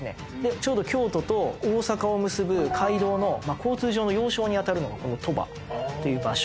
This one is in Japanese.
ちょうど京都と大坂を結ぶ街道の交通上の要衝にあたるのがこの鳥羽っていう場所。